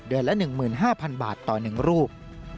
เดือนละ๑๕๐๐๐บาทต่อหนึ่งรูป